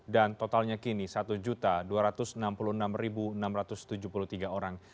dan totalnya kini satu dua ratus enam puluh enam enam ratus tujuh puluh tiga orang